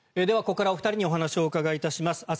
ではここからはお二人にお話を伺います。